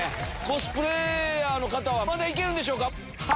コスプレーヤーの方はまだ行けるんでしょうか。